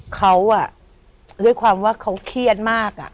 เขาด้วยความว่าเขาเครียดมาก